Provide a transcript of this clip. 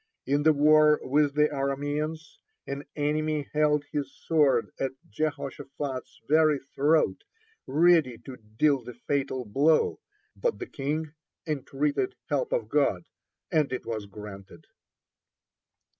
In the war with the Arameans, an enemy held his sword at Jehoshaphat's very throat, ready to deal the fatal blow, but the king entreated help of God, and it was granted.